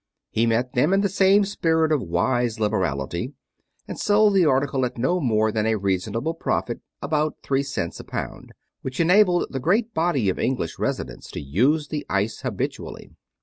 He met them in the same spirit of wise liberality, and sold the article at no more than a reasonable profit about three cents a pound which enabled the great body of English residents to use the ice habitually.